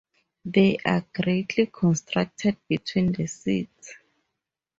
They are greatly constricted between the seeds.